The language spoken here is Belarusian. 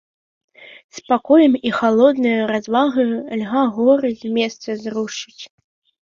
Спакоем і халоднаю развагаю льга горы з месца зрушыць.